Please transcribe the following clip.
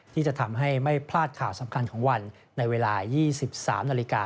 ที่จะทำให้ไม่พลาดข่าวสำคัญของวันในเวลา๒๓นาฬิกา